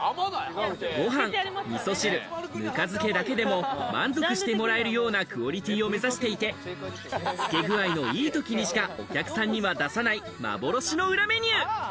ご飯、みそ汁、ぬか漬けだけでも満足してもらえるようなクオリティーを目指していて、つけ具合のいいときにしかお客さんには出さない幻の裏メニュー。